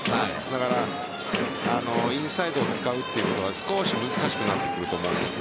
だからインサイドを使うということは少し難しくなってくると思うんです。